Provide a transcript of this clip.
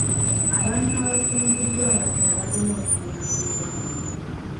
Abantu abasenguddwa amataba balina okuyambibwa